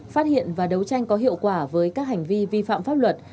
phát hiện và đấu tranh có hiệu quả với các hành vi vi phạm pháp luật